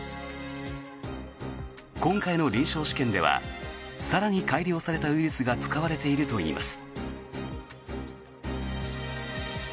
今回の臨床試験では更に改良されたウイルスが使われているといいます。